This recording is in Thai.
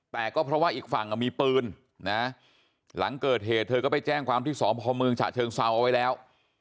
แต่ก็เพราะว่าอีกฝั่งมีปืนนะหลังเกิดเหตุเธอก็ไปแจ้งความที่สพเมืองฉะเชิงเซาเอาไว้แล้ว